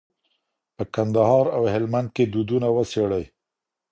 په کندهار او هلمند کې دودونه وڅېړئ.